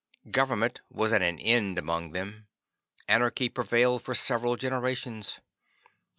Government was at an end among them. Anarchy prevailed for several generations.